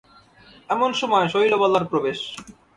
এমন সময় শৈলবালার প্রবেশ।